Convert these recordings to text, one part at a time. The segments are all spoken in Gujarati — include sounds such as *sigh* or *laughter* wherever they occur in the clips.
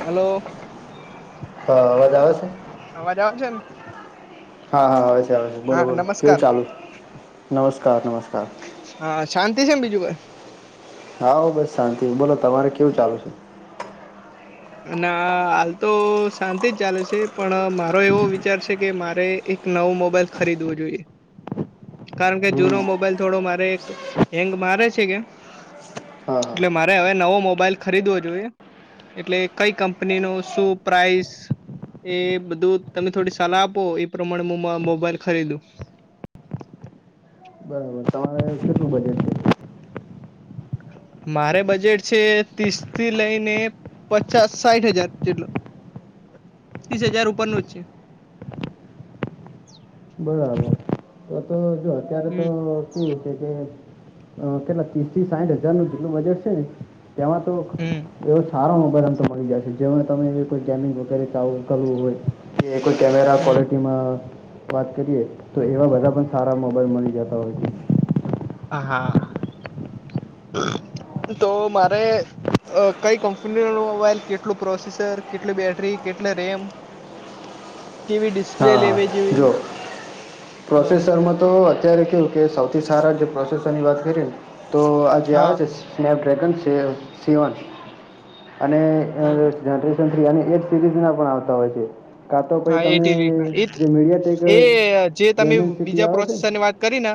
હલો. હા, અવાજ આવે છે? અવાજ આવે છે ને? હા હા આવે છે આવે છે બોલો હા બોલો કેવું નમસ્કાર ચાલુ નમસ્કાર નમસ્કાર. હા શાંતિ છે એમ બીજું ભઈ? હા બસ શાંતિ બોલો તમારે કેવું ચાલુ છે? અને હાલ તો શાંતિ જ ચાલે છે પણ મારો એવો વિચાર છે કે મારે એક કે નવું મોબાઈલ ખરીદવું જોઈએ. કારણ કે હમ જૂનો મોબાઈલ થોડો મારે એક હેંગ મારે છે કે. હા હા એટલે મારે હવે નવો મોબાઈલ ખરીદવો જોઈએ. એટલે કઈ કંપની નો શું પ્રાઇસ એ બધું તમે થોડી સલાહ આપો એ પ્રમાણે મો મોબાઈલ ખરીદું બરાબર તમારે કેટલું બજેટ છે? મારે બજેટ છે ત્રીસ થી લઈને પચાસ સાઠ હજાર જેટલો, ત્રીસ હજાર ઉપરનું જ છે. બરાબર તો તો જો અત્યારે તો હમ કેવું છે કે કેટલા ત્રીસથી સાઠ હજારનું જેટલું બજેટ છે, ને તેમાં તો હ એવો સારો મોબાઈલ આમ તો મળી જાય છે, જેમાં તમે એ કોઈ ગેમિંગ વગેરે કે કરવું હોય કે કોઈ કેમેરા હમ ક્વોલિટીમાં વાત કરીએે તો એવા બધા પણ સારા મો ખબર મળી જતા હોય છે. હા તો મારે અ કઈ કંપનીઓ નો મોબાઈલ, કેટલું પ્રોસેસર, કેટલી બેટરી, કેટલ રેમ *inaudible* હા લેવી હા જેવી જોઓ હ પ્રોસેસરમાં તો અત્યારે કેવું કે સૌથી સારા જે પ્રોસેસરની વાત કરીએ ને તો આ જેે આવે હા છે સ્નેપડ્રેગન સીવન અને હમ અને એ સિરીઝ ના પણ આવતા હોય છે કા તો પાઈ હા એ તમે તે રીતના એ જે મીડિયાટેક એ જે તમે ડેમેન સિટી બીજા આવે છે ને પ્રોસેસર ની વાત કરીને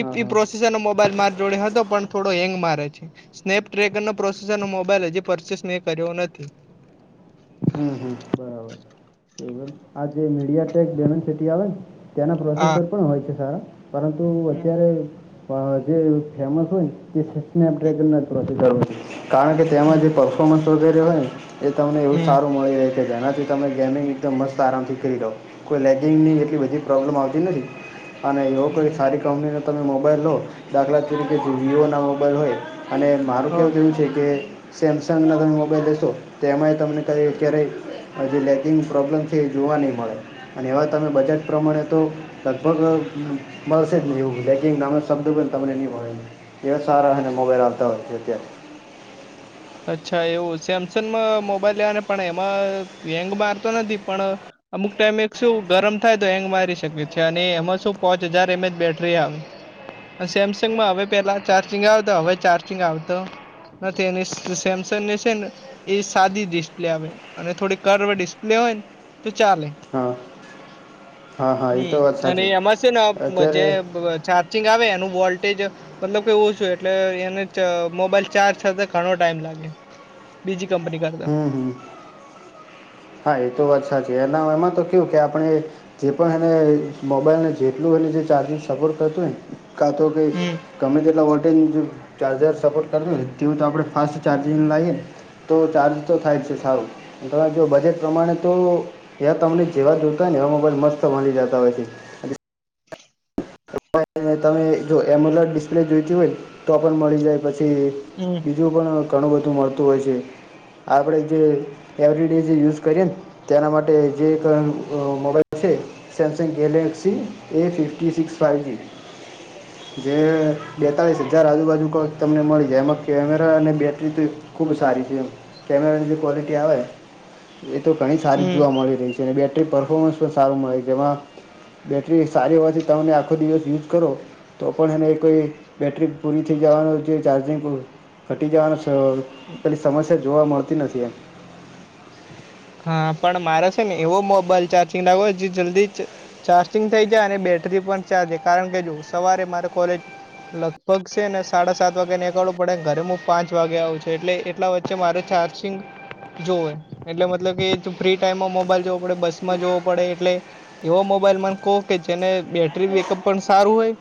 હા હા પ્રોસેસર નો મોબાઈલ માર જોડે હતો પણ થોડો હેંગ મારે છે સ્નેપડ્રેગન ન પ્રોસેસર ન મોબાઈલ હજી પરચેસ મેં કર્યો નથી *inaudible* આ જે મીડિયાટેક ડેમન સિટી આવે ને ત્યાના હા પ્રોસેસર પણ હોય છે, સારા. પરંતુ હમ અત્યારે જે ફેમસ હોય તે હમ સ્નેપડ્રેગન નથી, *inaudible* છે કારણ કે તેમાં હમ જે પરફોર્મન્સ વગેરે હોય, ને એ તમને એવું હમ, સારું મળી રહે. જેનાથી તમે ગેમિંગ એકદમ મસ્ત- - આરામથી કરી લો કોઈ લેગિંગની એટલી બધી પ્રોબ્લેમ આવતી નથી, અને એવો કોઈ હમ, સારી કંપનીનો તમે મોબાઈલ લો દાખલા તરીકે જો વિવોના મોબાઈલ હોય અને મારું હ કેહેવું તેવું છે, કે સેમસંગના તમે મોબાઈલ લેશો તે એમાંય તમને ક ક્યારેય જે લેકિંગ પ્રોબ્લમ તે જોવા નહી મળે અને એવા તમે બજેટ પ્રમાણે તો- - લગભગ મળશે જ નહી, એવું બ કે નાનો શબ્દ બ તમને નહી મળે. એવ સારા અને મોબાઈલ આતા હો છે. અચ્છા એવું સેમસંગમાં મોબાઈલ લેવા ને પણ એમાં હેંગ મારતો નથી. પણ અમુક ટાઈમે એક શું ગરમ થાય તો હેંગ મારી શકે છે, અને એમાં શું પાંચ હજાર એમ એચ બેટરી આવે. સેમસંગમાં હવે પેલા ચાર્જિંગ આવતા હવે ચાર્જિંગ આવતો નથી, એની તો સેમસંગ ને છે ને એ સાદી ડિસ્પ્લે આવે અને થોડી કારવડી ડિસ્પ્લે હોય ને- - તું ચાલે. હા હા હા એ હમ્મ તો વાત અને સાચી એમાં શું ને જે અત્યારે ચા ચિંગ આવે એનું વોલ્ટેજ મતલબ કેવું એટલે એને ચા મોબાઈલ ચાર્જ થતે ઘણો ટાઈમ લાગે બીજી કંપની કા હમ્મ હમ્મ હા એતો વાત સાચી એના એમાં તો કે કે આપણે જે પણ એને મોબાઈલને જેટલું એ જે ચાર્જિંગ સપોર્ટ કરત હો ને. કાં તો કે હમ ગમે તેટલા વોલ્ટેજ ચાર્જર સપોર્ટ કર હેને. તેવું તો આપણે ફાસ્ટ ચાર્જિંગ લાઈ એને- - ચાર્જ તો થાય જ છે, સારું તમે જો બજેટ પ્રમાણે તો ત્યાં તમને જેવા જોતા હો ને એવા મોબાઈલ મસ્ત મળી જતા હોય છે. તમે જો એમોલ ડિસ્પ્લે જોઈતી હોય, તો પણ મળી જાય પછી, હમ. બીજું પણ ઘણું બધું મળતું હોય છે, આપણે જે એવરી ડે જે યુઝ કરીએ ને તેના માટે જે ક અ mobile *inaudible* Samsung Galaxy A fifty six five G જે બેતાલીસ હજાર આજુબાજુ કો તમને મળી જાય એમાં કેમેરા અને બેટરી તો ખુબ સારી છે. કેમેરાની જે ક્વોલિટી આવે એ તો ઘણી સારી જ હમ જોવા મળી રહી જેની બેટરી પરફોર્મન્સ પણ સારું મળે જેમાં બેટરી સારી હોવાથી તમને આખો દિવસ યુઝ કરો તો પણ એને કોઈ બેટરી પૂરી થઈ જવાનું છે ચાર્જિંગ ઘટી જવાની છે પેલી સમસ્યા જોવા મળતી નથી એમ. હા, પણ મારે છે ને એવો મોબાઈલ ચાર્જિંગ લાવ્યો જે જલ્દી જ ચાર્જિંગ થઈ જાય અને બેટરી પણ ચાલજ કારણ કે જો સવારે મારે કોલેજ લગભગ છે ને સાડા સાત વાગે નીકળવું પડે ઘરે હું પાંચ વાગે આવું છું એટલે એટલા વચ્ચે મારે ચાર્જિંગ જોવે એટલે મ તલબ કે ફ્રી ટાઈમમાં મોબાઈલ જોવો પડે બસ માં જોવો પડે એટલે એવાો મોબાઈલ માન કહો કે જેને બેટરી બેકઅપ પણ સારું હોય,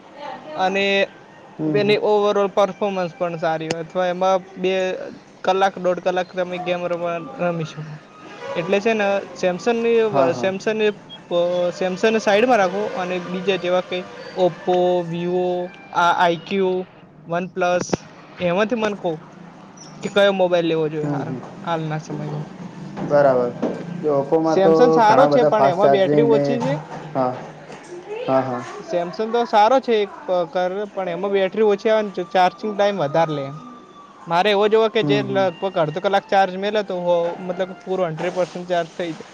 અને- હમ હમ. એની ઓવરઓલ પરફોમન્સ પણ સારી હોય અથવા એમાં બે કલાક દોઢ કલાક તમે ગેમ રમવા રમી શકો. એટલે છે ને સેમસંગ ની હા હા સેમસંગ સેમસંગને સાઈડમાં રાખો અને બીજા જેવા કઈ ઓપ્પો વિવો આ આઈક્યુ વનપ્લસ. એમાંથી મને કવ, કે કયો મોબાઈલ લેવો જોઈએ હમ સારો હમ. હાલના સમયમાં. બરાબર. જો ઓપોમાં તો સેમસંગ સારો ઘણા છે બધા પણ ફાસ્ટ એમાં બેટરી ચાર્જિંગ ને, ઓછી છે હા હા હા. સેમસંગ તો સારો છે એક કર પણ એમાં બેટરી ઓછી આવે ચાર્જિંગ ટાઈમ વધારે લે. મારે એવો જોવો કે જે હમ હમ લગભગ અડધો કલાક ચાર્જ મેલે તો મતલબ. પૂર હંડ્રેડ પર્સન્ટ ચાર્ થ જાય.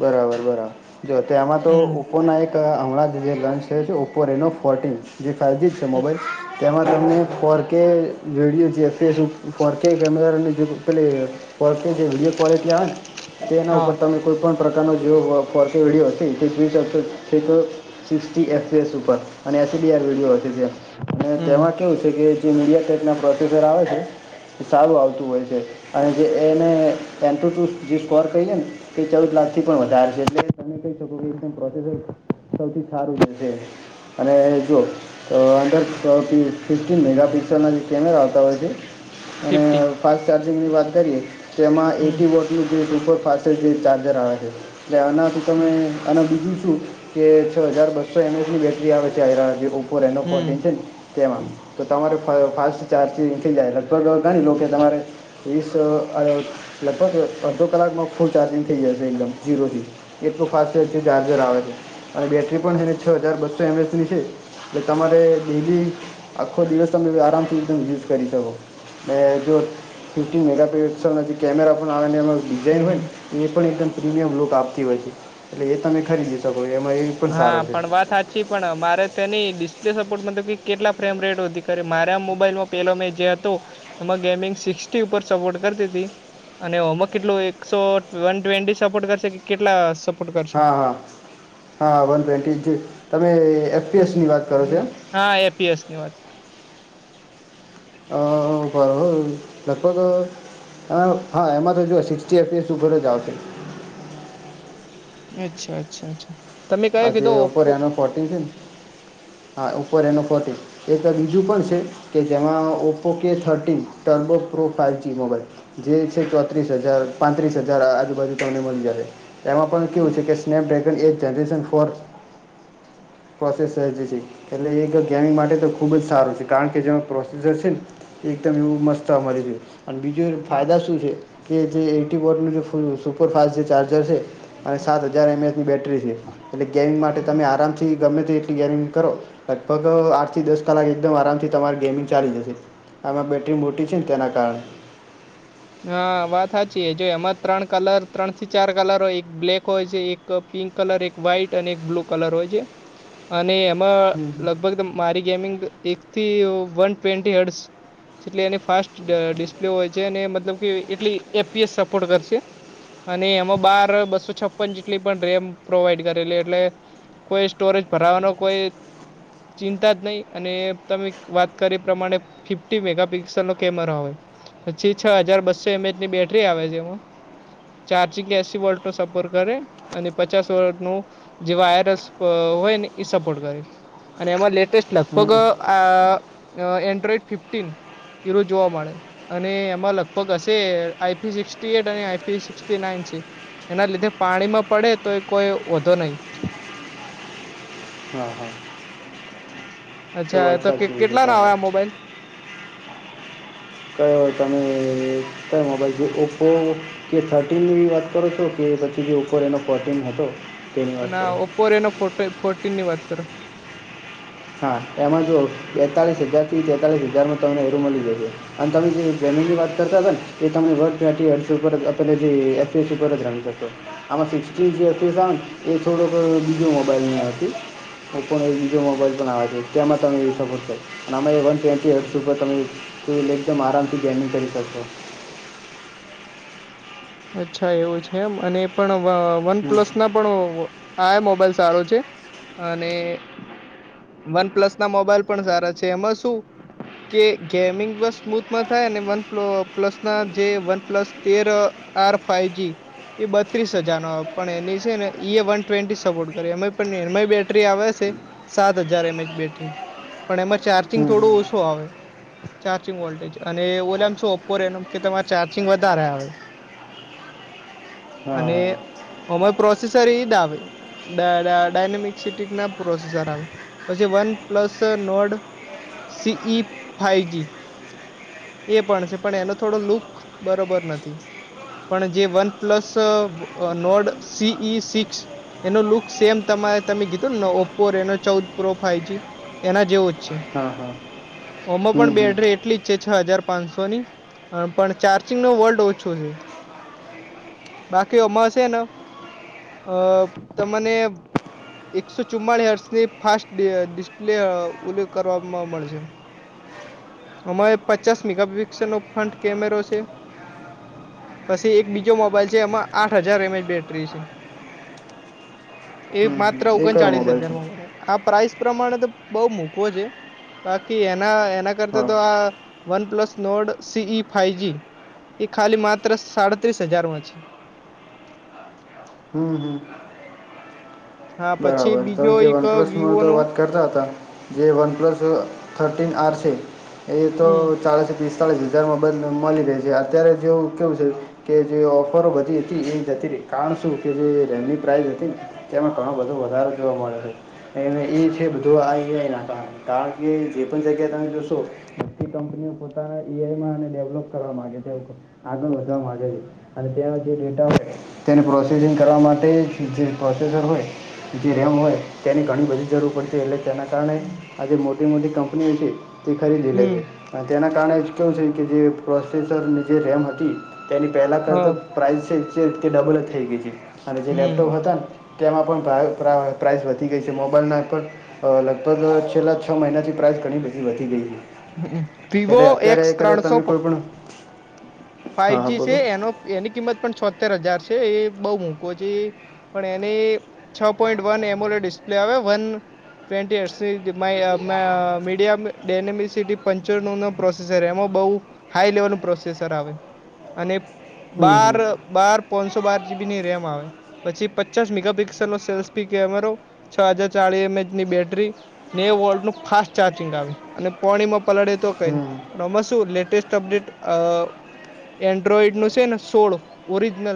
બરાબર બરાબર જો તે આમાં તો હમ ઉપપો ના એક. તો અરા જે લન્ચ છે છે ઓપો રેનો ફોર્ટિન જે ફઇવ જી છે, હમ મોબાઈલ. તેમાં તમને ફોરકે વિેડીિયો જે ફેસબુક ફોરકે કેમેરાને જે પેલે. જે વિડીયો ક્લિટી આવે તે એના હા ઉપર તમે કોઈ પણ. પ્રકારનો જે ફસ રેડિયો હશે એ સ્ચશે છે તો. સિકર અને એસડીઆર વિડીયો તે હમ તેમાં. કેવું છે કે જે મીડિયા સાેટ ના પ્રોસેસર આવે છે. સારું આવતું હોય છે અને જે એને એ ટુ ટુ જે સ્કોર કહીએ ને તે ચૌદ લાખ વધારે છે એટલે તમે કહી શકો કે પ્રોસેસર સૌથી સારું રહેશે. અને જોુ તો અંદર ફિકફટીીન મેગાપિક્સલના જે કેમેરા આવતા હોય છે. અને ફિફ્ટી ફાસ્ટ ચાર્જિંગની વાત કરીએ તો એમાં હમ એટી વોટ એ જે સુપર ફાસ્ટેસ્ટ જે ચાર્જર આવે છે એટલે આનાથી હમ તમે અને બીજું શું કે છ હજાર બસો એમએસની બેટરી આવે છે, આ જે ઓ રે એનો ફોટીિન હમ છે ને તેમ તો તમારે ફાસ્ટ ચાર્જિંગ થઈ જાયટ ખરર ઘણી લો કે તમારે. ીસ લગભગ અડધો કલાકમાં ફૂલ ચાર્જિંગ થઈ જાયશે એકદમ ઝીરો જઝી એટલું ફાસ્ટ છે જે ચાર્જર આવે છે. અને બેટરી પણ છેને છ હજાર બસો એમ એસ ની છે. એ તમારે ડેલી આખો દિવસ તમે આરામથીદમ યુઝ કરી શકો. મે જો ફિફ્ટીન મેગાપિકસલ જે કેમેરા પણ આવે એ. ડિઝાઇન હોય હમ ને એ પણ એકદમ પ્રીમિયમ લૂક આપતી હોય છે એટલે એ તમે ખરીદી શકો એમાં એવી. હા પણ વાત હ પછી પણ મારે તેની ડિસ્પ્લે સપોર્ટ મ કે કેટલા ફ્રેમ રેટ વધી કરે મારે આ મોબાઈલમાં પેલો મે જે હતો એમાં ગેમિંગ સિક્સટી ઉપર સપોર્ટ કરતી હતી અને હોમવર્ક કેટલું એકસો વન ટ્વેન્ટી સપોર્ટ કરશે કે કેટલા સપોર્ટ કરશે હા હા હા વન ટ્વેન્ટી જ તમે એફપીએસની વાત કરો છો? હા એપીએસ ની વાત. આ ઉભા રો હો લગભગ હ હા એમાં તો જોએ સિક્સી એફીસ શું ઉપર જ આવશે અચ્છા અચ્છા અચ્છા. તમે આ કયો કીધો જેે ઓોરે ઓપ્પો એનો ફોર્ટીિન છે ને હા ઉપર એનો ફોર્ટિન. એ તો બીજું પણ છે કે જેમાં Oppo K thirteen turbo pro five G mobile. જે છે ચોત્રીસ હજાર પાંત્રીસ હજાર આજુબાજુ તમને મળી જાય એમાં પણ કેવું છે કે સ્નેપડ્રેગન એ જનરેશન ફોર પ્રોસેસ સર્જ છે. એટલે એક ગેમિંગ માટે તો ખુબ જ સારું છે કારણ કે જેમાં પ્રોસેસર છે ને એકદમ એવું મસ્ત અમારી જે અને બીજું હા ફાયદા શું છે કે જે એટી વોટનું જે સુપરફાસ્ટ જે ચાર્જર છે. અને સાત હજાર એમ એસની બેટરી છે. એટલે ગેમિંગ માટે તમે આરામથી ગમે તે એટ ગેમિંગ કરો લગભગ આઠ થી દસ કલાક એકદમ આરામથી તમારી ગેમિંગ ચાલી જશે. આમાં બેટરી મોટી છે ને તેના કારણે હા વાત સાચી જો એમાં ત્રણ કલર ત્રણ થી ચાર કલર હોય એક બ્લેક હોય છે એક એક પિંક કલર એક વ્હાઈટ અને એક બ્લુ કલર હોય છે અને એમાં હમ લગભગ મારી ગેમિંગ એક થી વન ટ્વેન્ટી હેડસ જેટલી એની ફાસ્ટ ડિસ્પ્લે હોય છે અને એ મતલબ કે એટલી એપીએસ સપોર્ટ કરશે. અને એમાં બાર બસો છપન જેટલી પણ રેમ પ્રોવાઈડ કરેલી એટલે કોઈ સ્ટોરેજ ભરાવાનો કોઈ ચિંતા જ નહી અને તમે વાત કરી એ પ્રમાણે ફિફ્ટી મેગાપિક્સલ નો કેમેરો આવે પછી છ હજાર બસ્સો એમએચની બેટરી આવે છે એમાં. ચાર્જિંગ એસી વોલ્ટનો સપર કરે અને પચાસ વોલટનું જે વાયરસ હોય ને એ સપોર્ટ કરે અને એમાં લેટેસ્ટ લગભગ હમ આ એન્ડ્રોઈડ ફિફ્ટીન ઝીરો જોવા મળે અને એમ એમાં લગભગ હશે આઈપી સિક્સટી એટ અને આઈપી સિક્સટી નાઇન છે. એના લીધે પાણીમાં પડે તોય કોય વોધો નહી. હહ હહ અચ્છા તો કે કેટલાના આવે આ મોબાઈલ? કયો તમે કયો મોબાઈલ જોઈએ ઓપો? કે થર્ટીનની વાત કરો છો કે પછી જે ઉપર એનો ફોર્ટીન હતો. તેની અ વાત ના કરો ઓપો રયો એનો ફોર્ટ ફોર્ટીનની વાત કરો. હા એમાં જુવો બેતાલીસ હજારથી તેતાલીસ હજારમાં તમને એરું મલી જશે. અને તમે જે ગેમિંગની વાત કરતા તા ને એ તમને વર્ક ત્યાંથી એક્સેલ પર આપેલા એપથી ઉપર જ રમી શકે. આમાં સિક્સ્ટટી જે પીસ આવેને એ થોડોક બીજો મોબાઈલની હતી. ઓપ્પોનો એક બીજો મોબાઈલ પણ આવે છે તેમાં તમે એ સપોર્ટ થઇ અને આમા એ વન ટ્વેન્ટી હટ્સ ઉપર તમે ફ્રીલ એકદમ આરામથી ગેમિંગ કરી શકશો. અચ્છા એવું છે એમ અને એ પણ વ હમ વનપ્લસના પણ આએ મોબાઈલ સારો છે અને વન પ્લસના મોબાઈલ પણ સારા છે એમાં શું કે ગેમિંગ બસ સ્મૂથમાં થાય અને વન પ્લ પ્લસના જે વનપ્લસ તેર આર ફાઈજી ઈ બત્રીસ હજારનો આવે. પણ એની છે ને ઈએ વન ટ્વેન્ટી સપોર્ટ કરે એમાં પણ એમાં બેટરી આવે છે. સાત હજાર એમએચ બેટરી પણ એમાં ચાર્જિંગ હમ થોડો હમ ઓછું આવે. ચાર્જિંગ વોલ્ટેજ અને ઓલામાં શું ઓપો રેનવ કે તમારે ચાર્જિંગ વધારે આવે. હા અને હા અમારે પ્રોસેસર એજ આવે. ડ ડ ડાયનેમિક સિટીકના પ્રોસેસર આવે પછી OnePlus Nord C E five G. એ પણ છે પણ એનો થોડો લુક બરોબર નથી. પણ જે વન પ્લસ અ નોર્ડ સી ઈ સિક્સ એનો લુક સેમ તમારે તમે કીધું ને નવો ઓપ્પો રેનો ચૌદ પ્રો ફાઈજી એના જેવો જ છે. હા હા ઓમાં હમ પણ હમ બેટરી એટલી જ છે છ હજાર પાંચસોની હહ પણ ચાર્જિંગનો વોલ્ટ ઓછો છે. બાકી ઓમાં શેન અ તમને એકસો ચુમ્માળી હર્ષની ફાસ્ટ ડ ડિસ્પ્લે ઉલ્લે કરવામાં મળશે. આમાં એ પચાસ મેગાપિક્સેલનો ફ્રન્ટ કેમેરો છે. પસી એક બીજો મોબાઈલ છે એમાં આઠ હજાર એમએચ બેટરી છે. એ હમ હમ માત્ર એ કયો ઓગણચાળીસ મોબાઈલ છે હજારમાં મળે. આ પ્રાઇસ પ્રમાણે તો બહુ મોંધો છે બાકી એના એના કરતા હા તો આ OnePlus Nord C E five G એ ખાલી માત્ર સાડત્રીસ હજારમાં છે. હમ હમ હા પછી બરાબર બીજો તમે જે એક વનપ્લસ મળે વિવો તો નો વાત કરતા હતા જે વન પ્લસ થર્ટીન આર છે એ તો હમ ચાલીસ પીસ અડતાળીસ હજારમાં મોબાઈલ મલી રે છે અત્યારે જેવું કેવું છે. કે જે ઓફરો બધી હતી એ જતી રહી કારણ શું કે જે રેમની પ્રાઇસ હતી ને તેમાં ઘણો બધો વધારો જોવા મળે છે. અને એ છે બધું આ એઆઈના કારણે કારણ કે જે પણ જગ્યાએ તમે જોશો મોટી કંપનીઓ પોતાના એઆઈમાં ને ડેવલોપ કરવા માંગે છે, આગળ વધવા માંગે છે. અને તેનો જે ડેટા હોય તેને પ્રોસેસિંગ કરવા માટે જે પ્રોસેસર હોય જે રેમ હોય તેની ઘણી બધી જરૂર પડશે એટલે તેના કારણે આ જે મોટી મોટી કંપનીઓ છે તે ખરીદી લે છે. હમ અને તેના કારણે જ કેવું છે કે જે પ્રોસેસરની જે રેમ હતી તેની પહેલાં હ કરતાં. પ્રાઇસ છે તે ડબલ જ થઈ ગઈ છે અને જે હમ લેપટોપ હતા ને તેમાં પણ પ્રાઇસ વધી ગઈ છે મોબાઈલના એપ પર. અ લગભગ છેલ્લા છ મહિનાથી પ્રાઇસ ઘણી બધી વધી ગઈ છે. વિવો એટલે અત્યારે એક્સ કદાચ તમે કોઈ પણ હા હા ફાઈવજી છે બોલો એનો એની કિંમત પણ છોતેર હજાર છે એ બહુ મોંધો છે. પણ એની છ પોઈન્ટ વન એમો ડિસ્પ્લે આવે one twenty media Dimensity પંચો નો પ્રોસેસર એમાં બઉ હાઈ લેવલ નું પ્રોસેસર આવે અને હમ બાર હમ બાર પોનસો બાર જીબી ની રેમ આવે પછી પચાસ મેગાપિક્સસેલ નો સેલ્ફી કેમેરો છ હાજાર ચળી એમ એચની બેટરી નેવુ વોલ્ટ નું ફાસ્ટ ચાર્જિંગ આવે અને પોણીમાં પલળે તો કઈ નહી. હમ માં શું લેટેસ્ટ અપડેટ અ એન્ડ્રોઈડ નું છે ને સોળ ઓરિજનલ